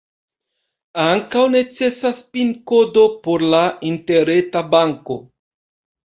Ankaŭ necesas pin-kodo por la interreta banko.